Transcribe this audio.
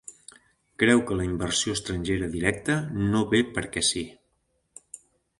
Creu que la inversió estrangera directa no ve perquè sí.